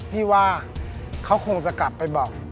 พี่ว่าเขาคงจะกลับไปบอก